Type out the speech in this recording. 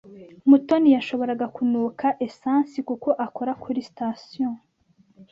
Mutoni yashoboraga kunuka esansi kuko akora kuri sitasiyo